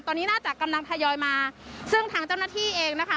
ตอนนี้น่าจะกำลังทยอยมาซึ่งทางเจ้าหน้าที่เองนะคะ